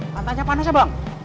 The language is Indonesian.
lantainya panas ya bang